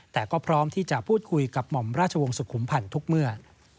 แต่ก็พร้อมที่จะพูดคุยกับหม่อมราชวงศุมพันธ์ทุกเมื่อ